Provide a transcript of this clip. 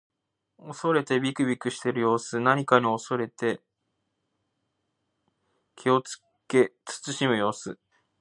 恐れてびくびくしている様子。何かに恐れて気をつけ慎む様子。